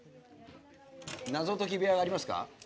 謎解き部屋がありますか。